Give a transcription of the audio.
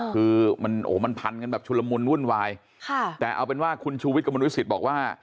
คือมันพันธุ์กันแบบชุลมุนวุ่นวายแต่เอาเป็นว่าคุณชูวิทย์กรมนุษยศิษย์บอกว่า